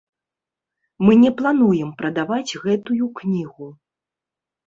Мы не плануем прадаваць гэтую кнігу.